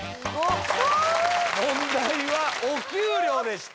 問題はお給料でした。